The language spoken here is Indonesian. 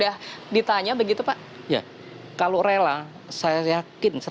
apakah rakyat surabaya ini merayakan tadi apabila manfaat ini diambil lagi di hadapan tembak wilayah tersebut